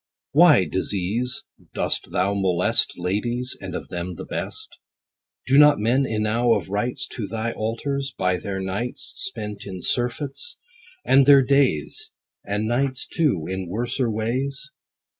Why, DISEASE, dost thou molest Ladies, and of them the best? Do not men enow of rights To thy altars, by their nights Spent in surfeits ; and their days, And nights too, in worser ways